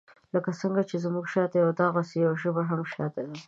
لکه څنګه چې موږ شاته یو داغسي مو ژبه هم شاته ده.